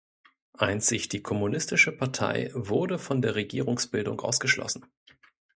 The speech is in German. Einzig die Kommunistische Partei wurde von der Regierungsbildung ausgeschlossen.